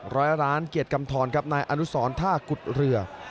ร้อยร้านเกียรติกำทรครับนายอนุสรท่ากุฎเรือ